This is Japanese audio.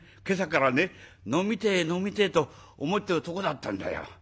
今朝からね飲みてえ飲みてえと思ってるとこだったんだよ。